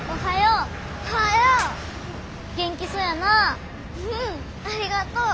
うんありがとう。